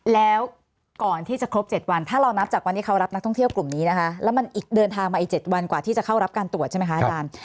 แล้วก่อนที่จะครบ๗วันถ้าเรานับจากวันที่เขารับนักท่องเที่ยวกลุ่มนี้นะคะแล้วมันเดินทางมาอีก๗วันกว่าที่จะเข้ารับการตรวจใช่ไหมคะอาจารย์